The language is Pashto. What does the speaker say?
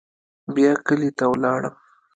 بيا کلي ته ولاړم.